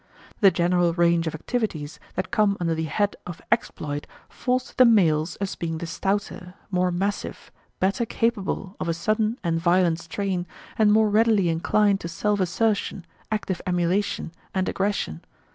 The general range of activities that come under the head of exploit falls to the males as being the stouter, more massive, better capable of a sudden and violent strain, and more readily inclined to self assertion, active emulation, and aggression.